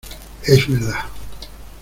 ¡ es verdad!